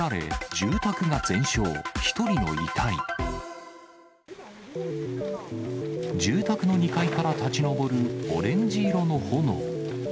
住宅の２階から立ち上るオレンジ色の炎。